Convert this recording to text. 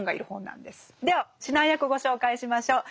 では指南役ご紹介しましょう。